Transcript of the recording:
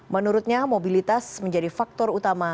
menurutnya mobilitas menjadi faktor utama